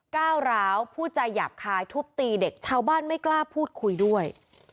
ก้าวร้าวพูดจาหยาบคายทุบตีเด็กชาวบ้านไม่กล้าพูดคุยด้วย